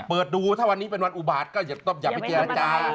เปิดดูถ้าวันนี้เป็นวันอุบาตก็อย่าไปเจรจา